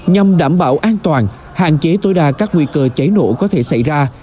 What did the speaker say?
nhằm đảm bảo an toàn hạn chế tối đa các nguy cơ cháy nổ có thể xảy ra